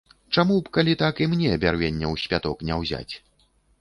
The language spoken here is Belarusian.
Чаму б, калі так, і мне бярвенняў з пяток не ўзяць?